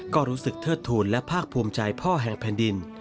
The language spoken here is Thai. ก็รู้สึกเทิดทูลและภาคภูมิใจพ่อแห่งแผ่นดิน